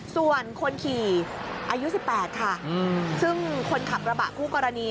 ส่วนคนขี่อายุ๑๘ค่ะซึ่งคนขับกระบะคู่กรณี